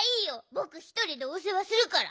ぼくひとりでおせわするから。